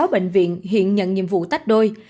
sáu bệnh viện hiện nhận nhiệm vụ tách đôi